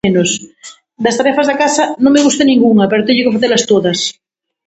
Das tarefas da casa non me gusta ningunha, pero teño que facelas todas.